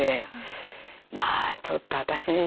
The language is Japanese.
まあちょっと私人生